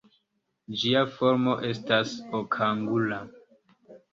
Ĝia formo estas okangula.